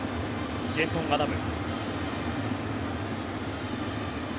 ジェーソン・アダム。